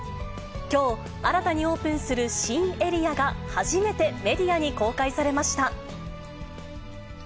きょう、新たにオープンする新エリアが初めてメディアに公開されました。